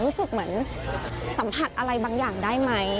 รู้สึกเหมือนสัมผัสอะไรบางอย่างได้ไหม